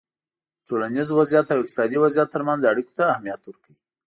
د ټولنیز وضععیت او اقتصادي وضعیت ترمنځ اړیکو ته اهمیت ورکوی